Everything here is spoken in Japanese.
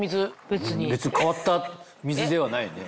別に変わった水ではないよね。